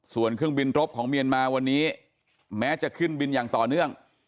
ส่วนเครื่องบินรบของเมียนมาวันนี้แม้จะขึ้นบินอย่างต่อเนื่อง